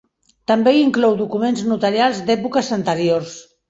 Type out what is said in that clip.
També inclou documents notarials d'èpoques anteriors.